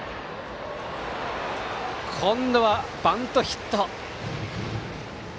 今度はバントヒット！